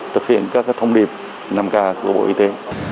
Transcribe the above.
thực hiện các thông điệp năm k của bộ y tế